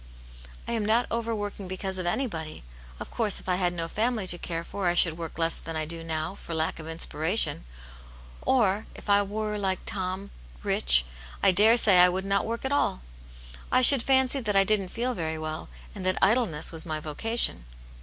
" I am not over working because of anybody. Of course, if I had no family to care for, I should work less than I do now, for lack of inspiration ; or, if I were rich, like Tom, I dare say I should not work at all. I should fancy that I didn't feel very well, and that idleness was my vocation."